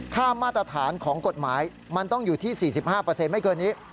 ค่ามาตรฐานของกฎหมายมันต้องอยู่ที่๔๕ไม่เกินนี้